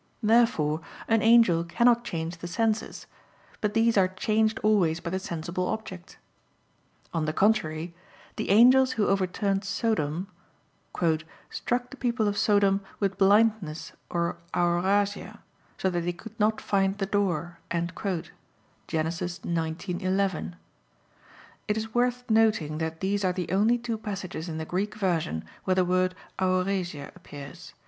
Therefore an angel cannot change the senses; but these are changed always by the sensible object. On the contrary, The angels who overturned Sodom, "struck the people of Sodom with blindness or aorasia, so that they could not find the door" (Gen. 19:11). [*It is worth noting that these are the only two passages in the Greek version where the word aorasia appears.